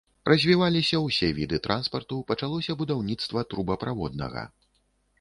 Развіваліся ўсе віды транспарту, пачалося будаўніцтва трубаправоднага.